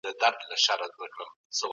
دا اسناد باید په پښتو کي نوي کړل سي.